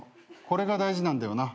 これが大事なんだよな。